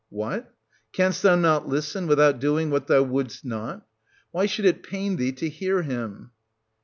What ? Canst thou not listen, without doing what thou wouldst not? Why should it pain thee to hear him?